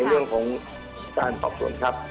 เรื่องของการสอบสวนครับ